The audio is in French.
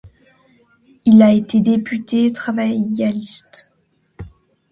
Il a été député travailliste.